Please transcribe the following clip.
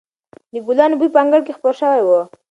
د ګلانو بوی په انګړ کې خپور شوی و.